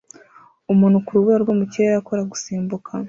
umuntu ku rubura rwo mu kirere akora gusimbuka